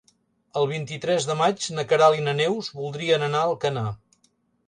El vint-i-tres de maig na Queralt i na Neus voldrien anar a Alcanar.